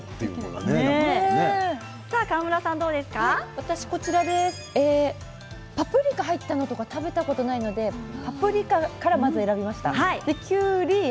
私はパプリカが入ったものとか食べたことがないのでパプリカから選びました。